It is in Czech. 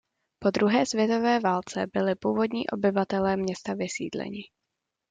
Po druhé světové válce byli původní obyvatelé města vysídleni.